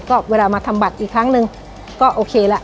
ก็เวลามาทำบัตรอีกครั้งหนึ่งก็โอเคละ